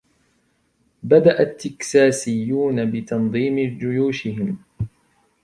بدأ التكساسيون بتنظيم جيوشهم.